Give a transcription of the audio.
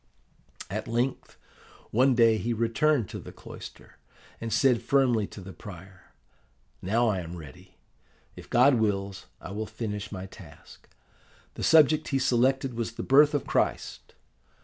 "At length, one day he returned to the cloister, and said firmly to the prior, 'Now I am ready. If God wills, I will finish my task.' The subject he selected was the Birth of Christ.